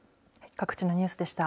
各地のニュースでした。